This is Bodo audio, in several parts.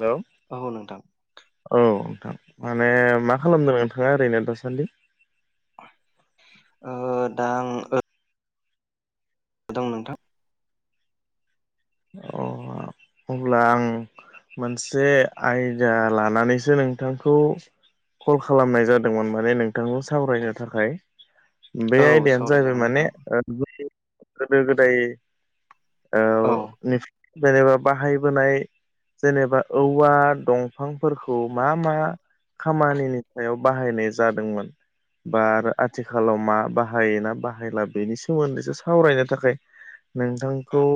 हेल' औ नोंथां औ नोंथां माने मा खालामदों नोंथाङा ओरैनो दासान्दि ओ दा आं दों नोंथां ओ अब्ला आं मोनसे आयदा लानानैसो नोंथांखौ कल खालामनाय जादोंमोन माने नोंथांजों सावरायनो थाखाय बे औ आयदायानो जाहैबाय सावरायजागोन माने नोंथां गोदो गोदाय औ नि जेनेबा बाहायबोनाय जेनेबा औवा दंफांफोरखौ मा मा खामानिनि सायाव बाहायनाय जादोंमोन बा आरो आथिखालाव मा बाहायोना बाहायला बेनि सोमोन्दैसो सावरायनो थाखाय नोंथांखौ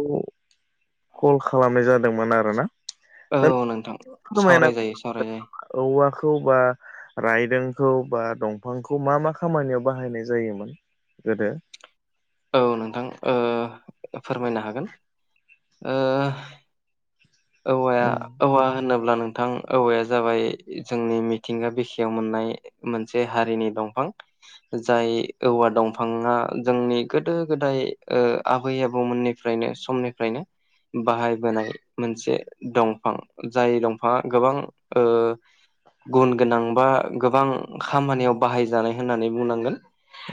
कल खालामनाय जादोंमोन आरो ना औ नोंथां सावराय जायो सावराय जायो औवाखौ बा रायदोंखौ बा दंफांखौ मा मा खामानियाव बाहायनाय जायोमोन गोदो औ नोंथां फोरमायनो हागोन औवाया उम औवा होन अब्ला नोंथां औवाया जाबाय जोंनि मिथिंगा बिखायाव मोननाय मोनसे हारिनि दंफां जाय औवा दंफाङा जोंनि गोदो गोदाय आबै आबौमोननि फ्रायनो समनिफ्रायनो बाहायबोनाय मोनसे दंफां जाय दंफाङा गोबां गुन गोनां बा गोबां खामानियाव बाहायजानाय होननानै बुंनांगोन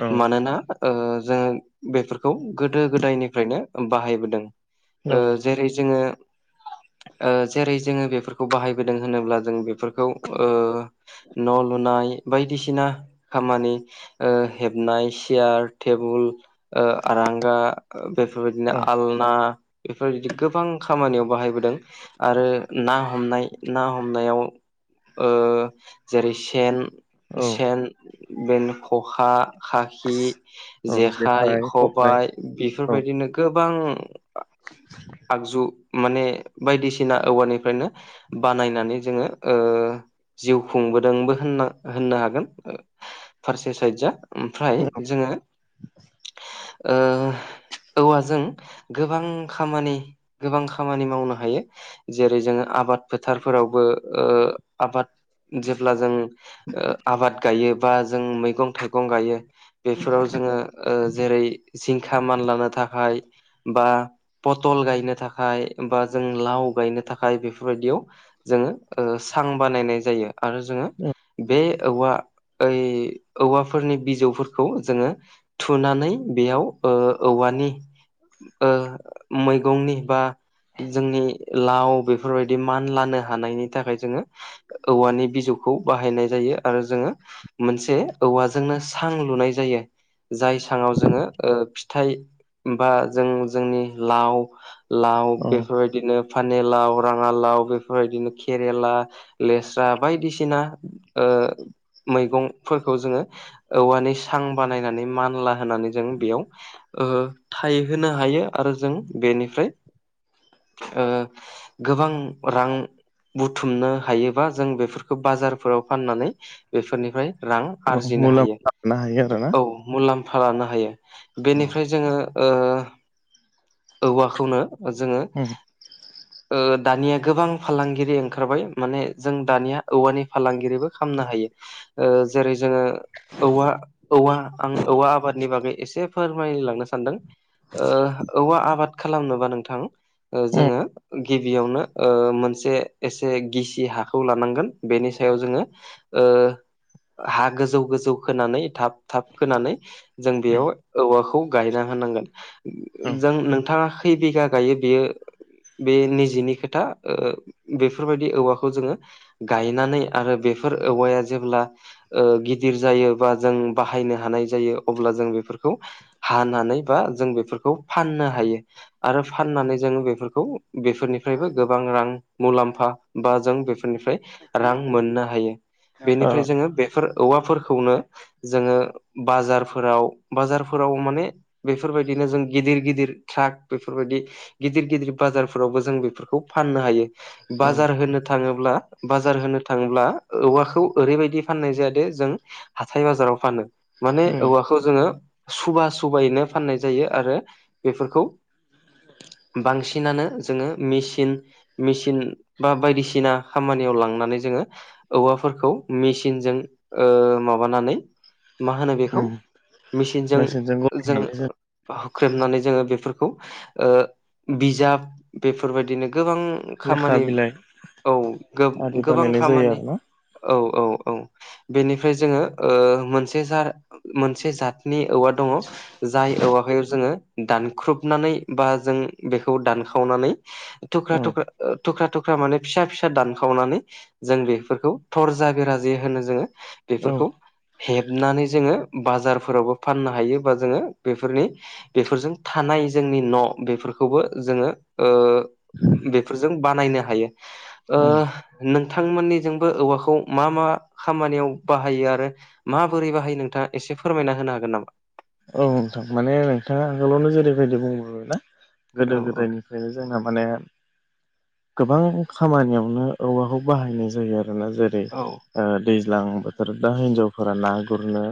औ मानोना जोङो बेफोरखौ गोदो गोदायनिफ्रायनो बाहायबोदों औ जेरै जोङो जेरै जोङो बेफोरखौ बाहायबोदों होनोब्ला जों बेफोरखौ न' लुनाय बायदिसिना खामानि हेबनाय सियार टेबोल आरांगा बेफोरबायदिनो औ आलना बेफोरबायदि गोबां खामानियाव बाहायबोदों आरो ना हमनाय ना हमनायाव जेरै सेन औ सेन बेनो खखा खाखि औ जेखाइ खबाइ खबाय औ बेफोरबायदिनो गोबां आगजु माने बायदिसिना औवानिफ्रायनो बानायनानै जोङो जिउ खुंबोदोंबोनो होननो हागोन फारसे साइडआ ओमफ्राय जोङो औवाजों गोबां खामानि गोबां खामानि मावनो हायो जेरै जोङो आबाद फोथारफोरावबो आबाद जेब्ला जों आबाद गायो बा जों मैगं मैगं गायो बेफोराव जोङो जेरै जिंखा मानलानो थाखाय बा पथल गायनो थाखाय बा जों लाव गायनो थाखाय बेफोरबायदियाव जोङो सां बानायनाय जायो आरो जोङो बे औवा ओइ औवाफोरनि बिजौफोरखौ जोङो थुनानै बेयाव औवानि मैगंनि बा जोंनि लाव बेफोरबायदि मान लानो हानायनि थाखाय जोङो औवानि बिजौखौ बाहायनाय जायो आरो जोङो मोनसे औवाजोंनो सां लुनाय जायो। जाय साङाव जोङो फिथाइ बा जों जोंनि लाव लाव औ बेफोरबायदिनो फानि लाव राङा लाव बेफोरबायदिनो खेरेला लेस्रा बायदिसिना मैगंफोरखौ जोङो औवानि सां बानायनानै मानला होनानै जों बेयाव थाइहोनो हायो आरो जों बेनिफ्राय गोबां रां बुथुमनो हायोबा जों बेफोरखौ बाजारफोराव फाननानै बेफोरनिफ्राय रां गोबां आरजिनो हायो मुलाम्फा लानो हायो आरोना औ मुलाम्फा लानो हायो औ बेनिफ्राय जोङो औवाखौनो जोङो उम दानिया गोबां फालांगिरि ओंखारबाय माने जों दानिया औवानि फालांगिरिबो खालामनो हायो। ओ जेरै जोङो औवा औवा आं औवा आबादनि बागै एसे फोरमायलांनो सानदों। औवा आबाद खालामनोबा नोंथां उम जोङो गिबियावनो मोनसे एसे गिसि हाखौ लानांगोन बेनि सायाव जोङो हा गोजौ गोजौ खोनानै थाब थाब खोनानै जों बेयाव औवाखौ गायना होनांगोन उम जों नोंथाङा खै बिघा गायो बियो बे निजिनि खोथा बेफोरबायदि औवाखौ जोङो गायनानै आरो बेफोर औवाया जेब्ला गिदिर जायो बा जों बाहायनो हानाय जायो अब्ला जों बेफोरखौ हानानै बा जों बेफोरखौ फाननो हायो। आरो फाननानै जों बेफोरखौ बेफोरनिफ्रायबो गोबां रां मुलाम्फा बा जों बेफोरनिफ्राय रां मोननो हायो औ बेनिफ्राय जोङो बेफोर औवाफोरखौनो जोङो बाजारफोराव बाजारफोराव माने बेफोरबायदिनो जों गिदिर गिदिर ट्राक बेफोरबायदि गिदिर गिदिर बाजारफोरावबो जों बेफोरखौ फाननो हायो। औ बाजार होनो थाङोब्ला बाजार होनो थाङोब्ला औवाखौ ओरैबायदि फाननाय जादो जों हाथाय बाजाराव फानो माने उम औवाखौ जोङो सुबा सुबायैनो फाननाय जायो आरो बेफोरखौ बांसिनानो जोङो मेसिन मेसिन बा बायदिसिना खामानियाव लांनानै जोङो औवाफोरखौ मेसिनजों माबानानै मा होनो बेखौ उम मेसिनजों मेचिनजों जों गनानै हुख्रेबनानै जोङो बेफोरखौ ओ बिजाब बेफोरबायदिनो गोबां लेखा खामानि बिलाइ औ आरि गो-गोबां बानायनाय जायो खामानि आरोना औ औ औ बेनिफ्राय जोङो मोनसे जार मोनसे जातनि औवा दङ जाय औवाहाय जोङो दानख्रुबनानै बा जों बेखौ दानखावनानै थुख्रा औ थुख्रा थुख्रा थुख्रा माने फिसा फिसा दानखावनानै जों बेफोरखौ थरजा बेराजि होनो जोङो औ बेफोरखौ हेबनानै जोङो बाजारफोरावबो फाननो हायो बा जोङो बेफोरनि बेफोरजों थानाय जोंनि न' बेफोरखौबो जोङो बेफोरजों बानायनो हायो। उम नोंथांमोननिजोंबो औवाखौ मा मा खामानियाव बाहायो आरो माबोरै बाहाय नोंथाङा एसे फोरमायना होनो हागोन नामा? औ नोंथां माने नोंथाङा आगोलावनो जेरैबायदि बुंबोबायना औ गोदो गोदायनि निफ्रायनो जोंना माने गोबां खामानियावनो औवाखौ बाहायनाय जायो आरोना जेरै औ दैज्लां बोथोर दा हिनजावफोरा ना गुरनो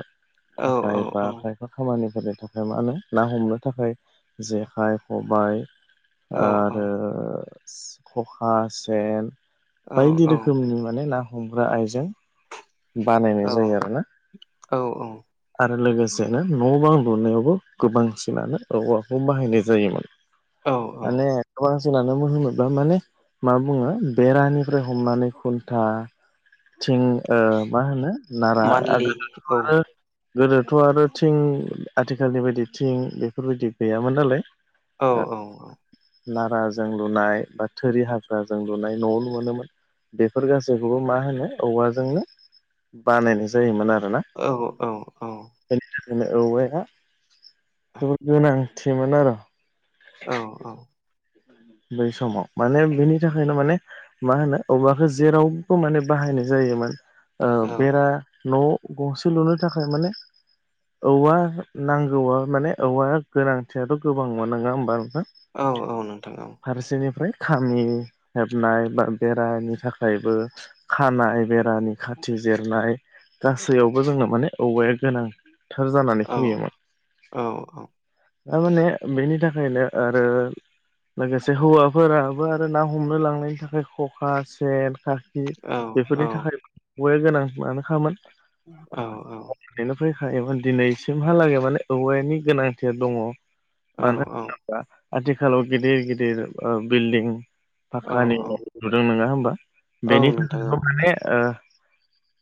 औ थाखाय बा औ खाय खामानिफोरनि थाखाय मा होनो ना हमनो थाखाय जेखाइ खबाय औ आरो खखा सेन औ बायदि औ रोखोमनि माने ना हमग्रा आइजें बानायनाय जायो आरोना औ आरो लोगोसेनो न' बां लुनायावबो गोबांसिनानो औवाखौ बाहायनाय जायोमोन औ औ माने गोबां [unintelligible] माने मा बुङो बेरानिफ्राय हमनानै खुन्था थिं मा होनो नारा मान्थलि आगोलनाथ औ आरो गोदोथ' आरो थिं आथिखालनि बायदि थिं बेफोरबायदि गैयामोन नालाय औ औ नारााजों लुनाय बा थोरि हाग्राजों लुनाय न'आवनो मोनोमोन बेफोर गासैखौबो मा होनो औवाजोंनो बानायनाय जायोमोन आरोना औ औ औ बेनि थाखायनो औवा या जोबोद गोनांथिमोन आरो औ औ बै समाव माने बिनि थाखायनो माने मा होनो औवाखौ जेरावबो माने बाहायनाय जायोमोन ओ बेरा न' गंसे लुनो थाखाय माने औवा नांगौआ माने औवा गोनांथियाथ' गोबां न नङा होमबा नोंथा औ औ नोंथां औ फारसेनिफ्राय खामि हेबनाय बा बेरानि थाखायबो खानाय बेरानि खाथि जिरनाय गासैयावबो जोंनो माने औवाया गोनां थार जानानै औ फैयोमोन औ थारमाने बेनि थाखायनो आरो लोगोसे हौवाफोराबो आरो ना हमनो लांनायनि थाखाय खखा सेना खा खि औ औ बेफोरनि थाखाय बो गोनां मानो खामोन औ औ बेनो फैखायोमोन दिनैसिमहालागै माने औवानि गोनांथिया दङ मानो औ होनोब्ला आथिखालाव गिदिर गिदिर ओ बिल्डिं फाकानि न' औ लुदों नङा होमबा औ बेनि नोंथां औ थाखायबो माने ओ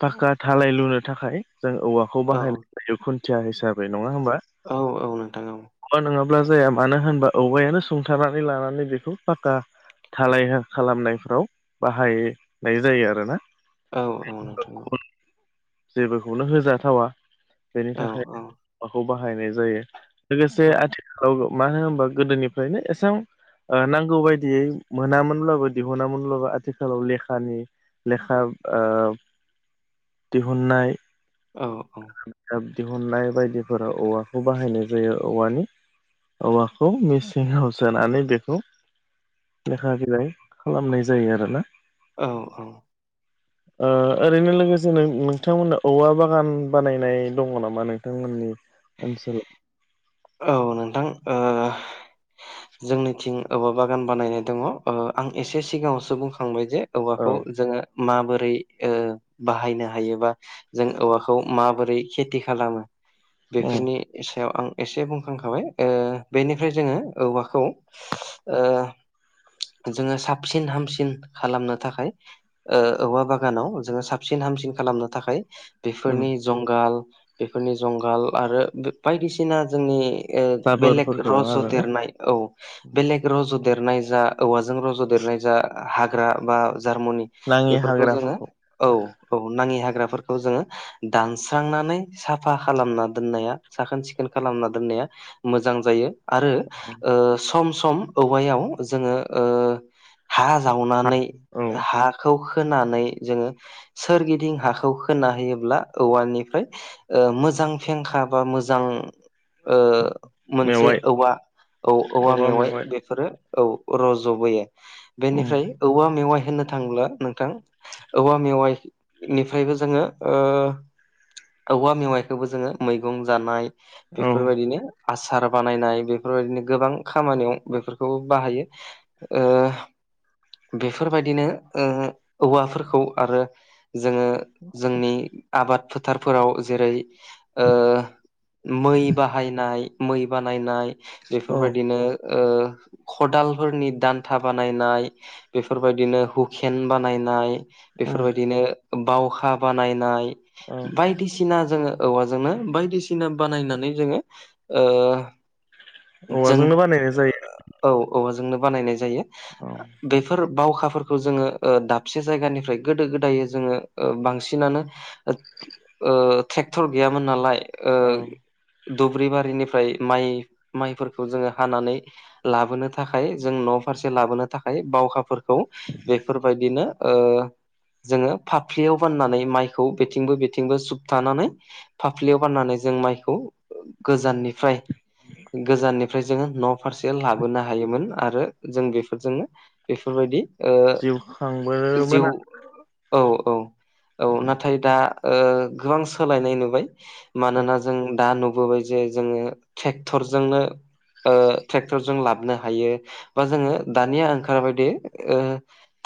पाखा थालाय लुनो थाखाय जों औवाख खौ बाहायनाय जायो खुन्थिया हिसाबै नङा होमबा औ औ नोंथां औ औवा नङाब्ला जाया मानो होनबा औवायानो सुंथारनानै लानानै बेखौ फाका थालाय खालामनायफ्राव बाहायनाय जायो आरोना औ औ नोंथां औ [inaudible] जेबोखौनो होजाथावा बेनि औ थाखाय औवाखौ बाहायनाय जायो लोगोसे औ आथिखालाव मा होनोबा गोदोनि फायनो एसां ओ नांगौ बायदियै मोनामोनब्लाबो दिहुनामोनब्लाबो आथिखालाव लेखानि लेखाब ओ दिहुननाय औ औ बिजाब दिहुननाय बायदिफोर औवाखौ बाहायनाय जायो औवानि औवाखौ मिस निहाव सोनानै बेखौ लेखा बिलाइ खालामनाय जायो आरोना औ औ [inaudible] ओ ओरैनो लोगोसे नों नोंथांमोननो औवा बागान बानायनाय दङ नामा नोंथांमोननि? ओनसोलाव औ नोंथां ओ जोंनिथिं औवा बागान बानायनाय दङ ओ आं एसे सिगाङावसो बुंखांबाय जे औ औवाखौ जोङो माबोरै बाहायनो हायोबा जों औवाखौ माबोरै खेथि खालामो उम बेफोरनि सायाव आं एसे बुंखांखाबाय बेनिफ्राय जोङो औवाखौ जोङो साबसिन हामसिन खालामनो थाखाय ओ औवा बागानाव जोङो साबसिन हामसिन खालामनो थाखाय उम बेफोरनि जुंगाल बेफोरनि जुंगाल आरो बायदिसिना जोंनि ओ बेलेग जाबोरफोरखौ रज' आरोना देरनाय औ बेलेग लेग रज'देरनाय जा औवाजों रज'देरनाय जा हाग्रा बा जार्मुनि नाङि बेफोरखौ जोङो हाग्राफोरखौ औ औ नाङि हाग्राफोरखौ जोङो दानस्रांनानै साफा खालामना दोननाया साखोन सिखोन खालामना दोननाया मोजां जायो आरो। ओ सम सम औवायाव जोङो हा जावनानै औ हा खौ खोनानै जोङो सोरगिदिं हाखौ खोना होयोब्ला औवानिफ्राय मोजां फेंखा बा मोजां मोनसे मेवाइ औवा औ औवा मेवाइ बेफोरो औ रज'बोयो उम बेनिफ्राय औवा मेवाइ होन थाङब्ला नोंथां औवा मेवाइ निफ्रायबो जोङो औवा मेवाइखौबो जोङो मैगं जानाय औ बेफोरबायदिनो आसार बानायनाय बेफोरबायदिनो गोबां खामानियाव बेफोरखौ बाहायो बेफोरबायदिनो ओ औवाफोरखौ आरो जोङो जोंनि आबाद फोथारफोराव जेरै मै बाहायनाय मै बानायनाय औ बेफोरबायदिनो खदालफोरनि दान्था बानायनाय बेफोरबायदिनो हुकेन बानायनाय उम बेफोरबायदिनो बावखा बानायनाय औ बाय दिसिना जोङो औवाजोंनो बायदिसिना बानायनानै जोङो ओ जों औवाजोंनो बानायनाय जायो। औ औवाजोंनो बानायनाय जायो औ बेफोर बावखाफोरखौ जोङो दाबसे जायगानिफ्राय गोदो गोदायै जोङो बांसिनानो ट्रेक्टर गैयामोन नालाय औ दुब्रिबारिनिफ्राय माइ माइ जोङो हानानै लाबोनो थाखाय जों न' फारसे लाबोनो थाखाय बावखाफोरखौ बेफोरबायदिनो जोङो फाफ्लियाव बाननानै माइखौ बेथिंबो बेथिंबो सोबथानानै फाफ्लियाव गाननानै जों माइखौ गोजाननिफ्राय गोजाननिफ्राय ओमफ्राय जोङो न' फारसे लाबोनो हायोमोन आरो जों बेफोरजोंनो बेफोरबायदि ओ जिउ जिउ खांबोमोन आ औ औ औ नाथाय दा ओ गोबां सोलायनाय नुबाय। मानोना जों दा नुबोबाय जे जोङो ट्रेक्टरजोंनो ओ ट्रेक्टरजों लाबोनो हायो बा जोङो दानिया ओंखार बायदि ओ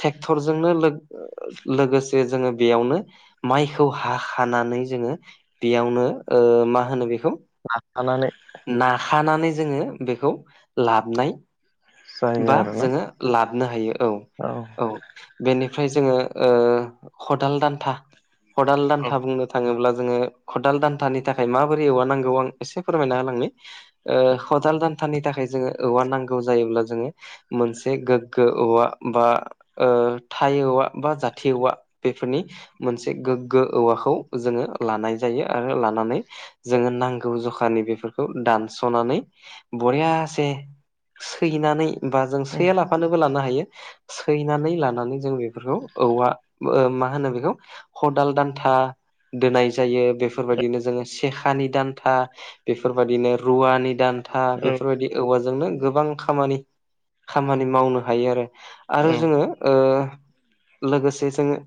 ट्रेक्टरजोंनो लोगोसे जोङो बेयावनो माइखौ हाखानानै जोङो बेयावनो मा होनो बेखौ लाफानानै नाखानानै जोङो बेखौ लाबनाय जायो बा आरोना जोङो लाबनो हायो औ औ बेनिफ्राय जोङो खदाल दान्था खदाल औ दान्था बुंङो थाङोब्ला जोङो खदाल दान्थानि थाखाय माबोरै एववानांगौ आं एसे फोरमायना होलांनि। खदाल दान्थानि थाखाय जोङो औवार नांगौ जायोब्ला जोङो मोनसे गोग्गो औवा बा ओ थाइ औवा बा जाथि औवा बेफोरनि मोनसे गोग्गो औवाखौ जोङो लानाय जायो आरो लानानै जोङो नांगौ जखानि बेफोरखौ दानस'नानै बरियासे सैनानै बा जों उम सैया लाफानोबो लानो हायो। सैनानै लानानै जों बेफोरखौ औवा मा होनो बेखौ खदाल दान्था दोनाय जायो बेफोरबायदिनो जोङो सेखानि दान्था बेफोरबायदिनो रुवानि दान् था औ बेफोरबायदि औवाजोंनो गोबां खामानि खामानि मावनो हायो आरो। आरो औ जोङो ओ लोगोसे जोङो